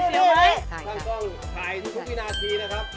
ถ้าง่องถ่ายทุกพินาทีนะครับ